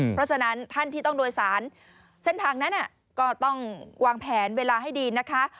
เพราะฉะนั้นท่านที่ต้องโดยสารเส้นทางนั้นก็ต้องวางแผนเวลาให้ดีนะคะ